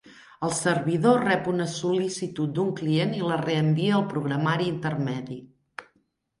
El servidor rep una sol·licitud d'un client i la reenvia al programari intermedi.